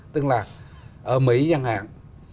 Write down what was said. tức là ở mỹ chẳng hạn